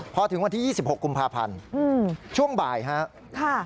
พอถึงวันที่๒๖กุมภาพันธ์ช่วงบ่ายครับ